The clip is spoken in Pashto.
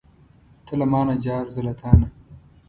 ته له مانه جار، زه له تانه.